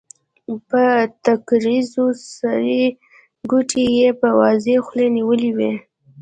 په نکريزو سرې ګوتې يې په وازې خولې نيولې وې.